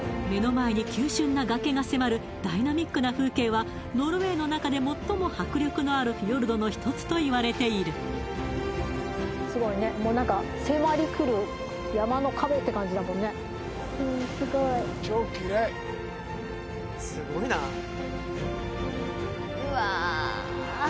目の前に急峻な崖が迫るダイナミックな風景はノルウェーの中で最も迫力のあるフィヨルドの一つといわれているすごいねもう何かうわ